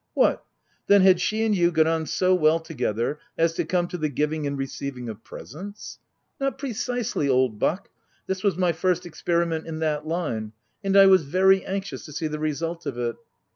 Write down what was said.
" What, then, had she and you got on so well together as to come to the giving and receiving of presents? 5 '— Not precisely, old buck; this was my first experimerit in that line ; and I was very anxious to see the result of it.